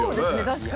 確かに。